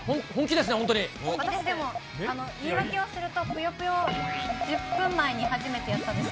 私でも、言い訳をすると、ぷよぷよ、１０分前に初めてやったんです。